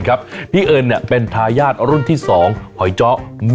ครับเอาใหม่เนย